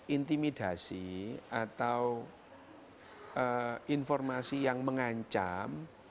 intimidasi atau informasi yang mengancam